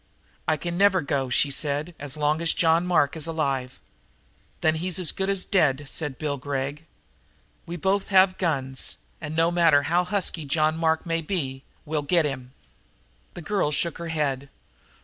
"I can never go," she said, "as long as John Mark is alive." "Then he's as good as dead," said Bill Gregg. "We both got guns, and, no matter how husky John Mark may be, we'll get at him!" The girl shook her head.